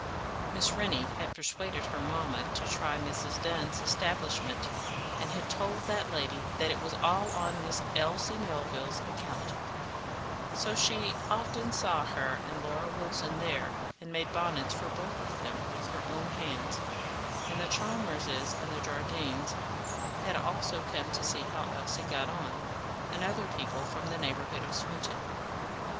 Miss Rennie had persuaded her mamma to try Mrs. Dunn's establishment, and had told that lady that it was all on Miss Elsie Melville's account, so she often saw her and Laura Wilson there, and made bonnets for both of them with her own hands; and the Chalmerses and Jardines had also come to see how Elsie got on, and other people from the neighbourhood of Swinton.